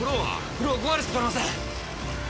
フローは５割しか取れません